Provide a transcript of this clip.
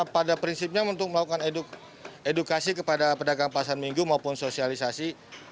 pada prinsipnya untuk melakukan edukasi kepada pedagang pasar minggu maupun sosialisasi